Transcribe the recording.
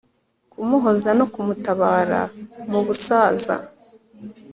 kumuhoza no kumutabara mubusaza